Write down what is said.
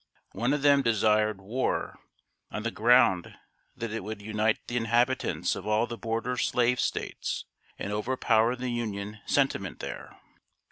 One of them desired war, on the ground that it would unite the inhabitants of all the border slave States, and overpower the Union sentiment there.